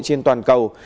trên toàn cầu